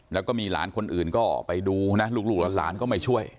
แล้วก็มีหลานคนอื่นก็ไปดูนะลูกหลานก็ไม่ช่วย